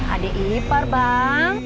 adik ipar bang